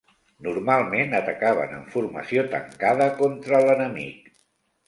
Normalment atacaven en formació tancada contra l'enemic.